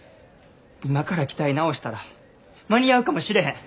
今から機体直したら間に合うかもしれへん。